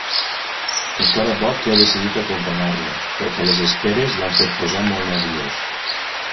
Encara bo que ha decidit acompanyar-lo, perquè les esperes l'han fet posar molt nerviós.